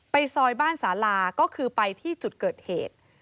ซอยบ้านสาลาก็คือไปที่จุดเกิดเหตุ